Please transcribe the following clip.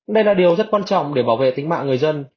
đây là điều rất quan trọng để bảo vệ tính mạng người dân